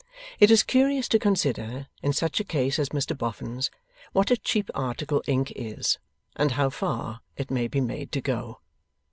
It is curious to consider, in such a case as Mr Boffin's, what a cheap article ink is, and how far it may be made to go.